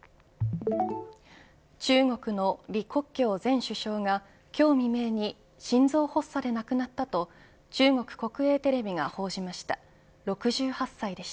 中国の李克強前首相が今日未明に心臓発作で亡くなったと中国国営テレビが報じました。